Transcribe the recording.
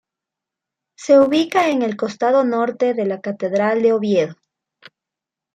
Se ubica en el costado norte de la Catedral de Oviedo.